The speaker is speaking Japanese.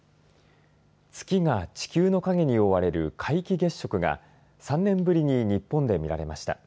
月が地球の影に覆われる皆既月食が３年ぶりに日本で見られました。